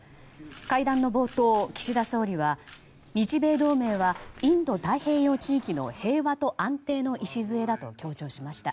会談の冒頭、岸田総理は日米同盟はインド太平洋地域の平和と安定の礎だと強調しました。